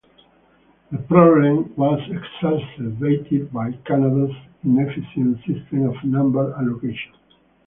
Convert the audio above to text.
The problem was exacerbated by Canada's inefficient system of number allocation.